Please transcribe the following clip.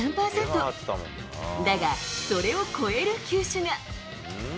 だが、それを超える球種が。